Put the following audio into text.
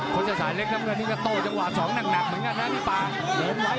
กูจะสายเล็กนะแล้วก็จะโตะจังหวาสองหนักเหมือนกันนะบี่ป่า